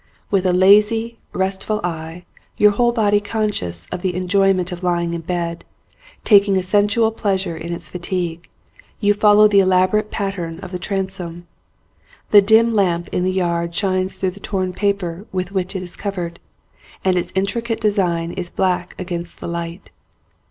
With a lazy, restful eye, your whole body conscious of the enjoyment of lying in bed, taking a sensual pleasure in its fatigue, you follow the elaborate pattern of the transom. The dim lamp in the yard shines through the torn paper with which it is covered, and its intricate design is black against the light.